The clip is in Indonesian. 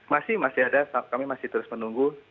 masih masih ada kami masih terus menunggu